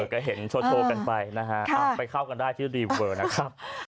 ก็เห็นโชว์กันไปนะฮะไปเข้ากันได้ที่รีเวอร์นะครับ